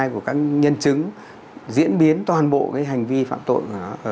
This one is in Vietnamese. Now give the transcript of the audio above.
của các nhân chứng diễn biến toàn bộ cái hành vi phạm tội của nó